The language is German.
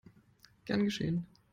Gern geschehen!